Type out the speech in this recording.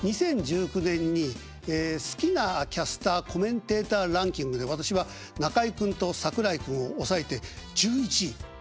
２０１９年に好きなキャスターコメンテーターランキングで私は中居君と櫻井君を抑えて１１位。